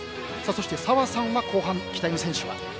そして澤さんは後半期待の選手は？